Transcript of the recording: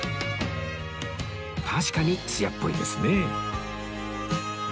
確かに艶っぽいですね